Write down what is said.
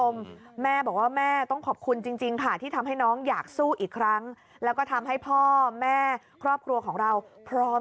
แม่บอกว่าแม่ต้องขอบคุณจริงค่ะที่ทำให้น้องอยากสู้อีกครั้งแล้วก็ทำให้พ่อแม่ครอบครัวของเราพร้อม